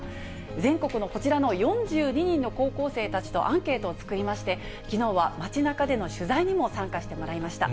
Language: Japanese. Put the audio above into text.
全国のこちらの４２人の高校生たちとアンケートを作りまして、きのうは街なかでの取材にも参加してもらいました。